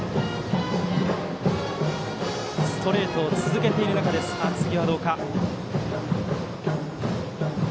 ストレートを続けている中、次はどうか。